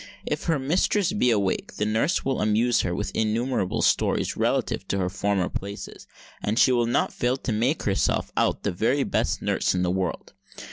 If her mistress be awake, the nurse will amuse her with innumerable stories relative to her former places; and she will not fail to make herself out the very best nurse in the world.